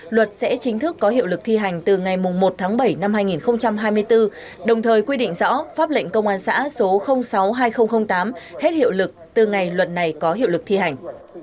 luật sẽ chính thức có hiệu lực thi hành từ ngày một tháng bảy năm hai nghìn hai mươi bốn đồng thời quy định rõ pháp lệnh công an xã số sáu hai nghìn tám hết hiệu lực từ ngày luật này có hiệu lực thi hành